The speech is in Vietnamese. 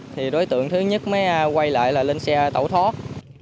thì đối tượng thứ nhất mới quay lại là lên xe tẩu thoát